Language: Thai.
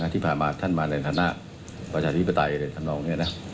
ที่ผ่านมาท่านมาในฐานะประชาธิปไตย